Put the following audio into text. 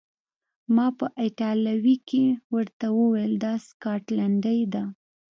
ما په ایټالوي کې ورته وویل: دا سکاټلنډۍ ده.